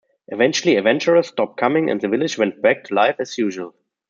Eventually, adventurers stopped coming, and the village went back to life as usual.